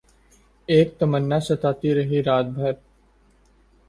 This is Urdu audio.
اک تمنا ستاتی رہی رات بھر